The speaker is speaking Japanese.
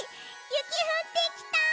ゆきふってきた！